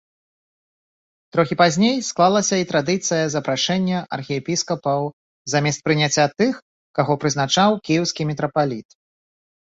Трохі пазней склалася і традыцыя запрашэння архіепіскапаў замест прыняцця тых, каго прызначыў кіеўскі мітрапаліт.